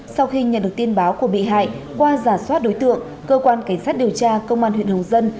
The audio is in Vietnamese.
sau khi nhận được tin báo của bị hại qua giả soát đối tượng cơ quan cảnh sát điều tra công an huyện hồng dân